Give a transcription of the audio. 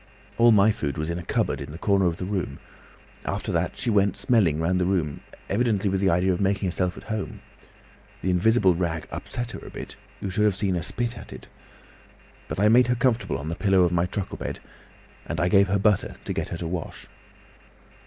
All my food was in a cupboard in the corner of the room. After that she went smelling round the room, evidently with the idea of making herself at home. The invisible rag upset her a bit; you should have seen her spit at it! But I made her comfortable on the pillow of my truckle bed. And I gave her butter to get her to wash."